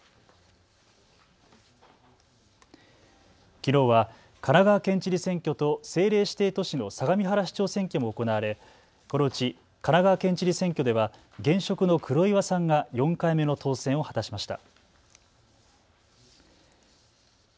きのうは、神奈川県知事選挙と政令指定都市の相模原市長選挙も行われ、このうち、神奈川県知事選挙では、現職の黒岩さんが４回目の当選を果たしました。